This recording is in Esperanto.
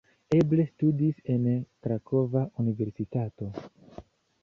Eble studis en Krakova universitato.